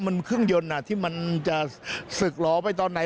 มันเครื่องยนต์ที่มันจะศึกล้อไปตอนไหน